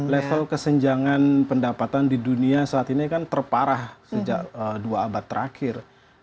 level kesenjangan pendapatan di dunia saat ini kan terparah sejak dua abad terakhir